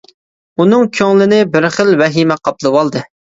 ئۇنىڭ كۆڭلىنى بىر خىل ۋەھىمە قاپلىۋالدى.